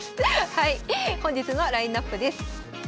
はい本日のラインナップです。